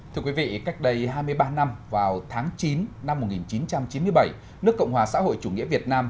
thưa quý vị cách đây hai mươi ba năm vào tháng chín năm một nghìn chín trăm chín mươi bảy nước cộng hòa xã hội chủ nghĩa việt nam